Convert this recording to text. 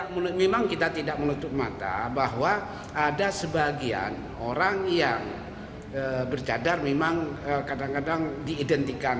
memang kita tidak menutup mata bahwa ada sebagian orang yang bercadar memang kadang kadang diidentikan